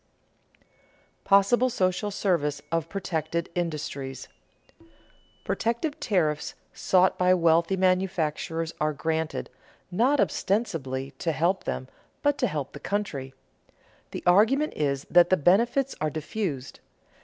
[Sidenote: Possible social service of protected industries] Protective tariffs sought by wealthy manufacturers are granted, not ostensibly to help them, but to help the country. The argument is that the benefits are diffused.